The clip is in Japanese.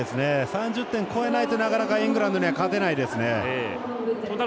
３０点超えないとなかなか、イングランドには勝てないですね。